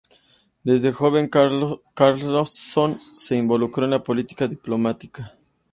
Desde joven Carlsson se involucró en la política y diplomacia.